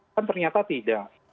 kan ternyata tidak